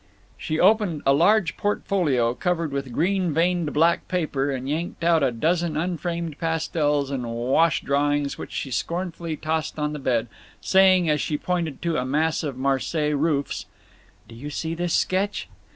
She opened a large portfolio covered with green veined black paper and yanked out a dozen unframed pastels and wash drawings which she scornfully tossed on the bed, saying, as she pointed to a mass of Marseilles roofs: "Do you see this sketch?